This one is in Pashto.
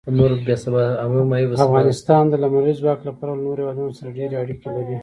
افغانستان د لمریز ځواک له پلوه له نورو هېوادونو سره ډېرې اړیکې لري.